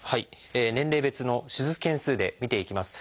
年齢別の手術件数で見ていきます。